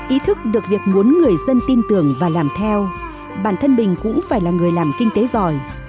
ý thức được việc muốn người dân tin tưởng và làm theo bản thân mình cũng phải là người làm kinh tế giỏi